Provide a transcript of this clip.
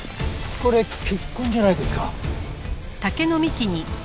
これ血痕じゃないですか？